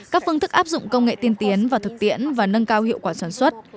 các phương thức áp dụng công nghệ tiên tiến vào thực tiễn và nâng cao hiệu quả sản xuất